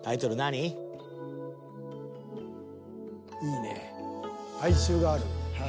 いいね哀愁がある。